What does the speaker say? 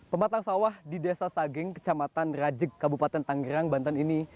pematang sawah di desa sageng kecamatan rajek kabupaten tanggerang banten ini